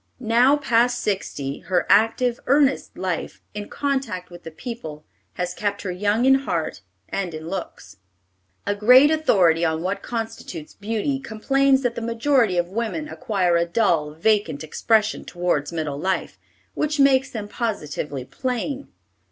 Now, past sixty, her active, earnest life, in contact with the people, has kept her young in heart and in looks. "A great authority on what constitutes beauty complains that the majority of women acquire a dull, vacant expression towards middle life, which makes them positively plain.